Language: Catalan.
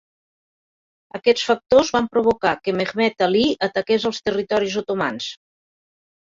Aquests factors van provocar que Mehemet Ali ataqués els territoris otomans.